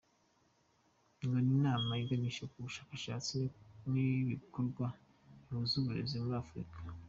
Ngo ni inama iganisha ku bushakashatsi n’ibikorwa bihuza uburezi muri Afurika.